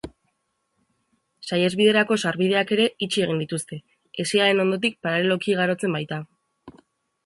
Saihesbiderako sarbideak ere itxi egin dituzte, hesiaren ondotik paraleloki igarotzen baita.